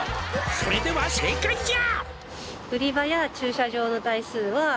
「それでは正解じゃ」